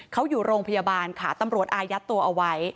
เขาอยู่โรงพยาบาลค่ะตำรวจอายัดตัวเอาไว้